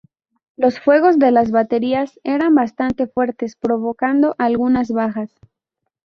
Los fuegos de las baterías eran bastante fuertes provocando algunas bajas.